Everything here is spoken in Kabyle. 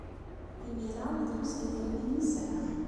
Imir-a, drus n yidrimen ay sɛiɣ.